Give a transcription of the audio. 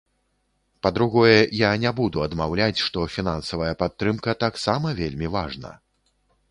Па-другое, я не буду адмаўляць, што фінансавая падтрымка таксама вельмі важна.